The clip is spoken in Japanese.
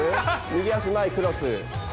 右足前クロス。